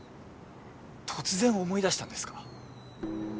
突然思い出したんですか？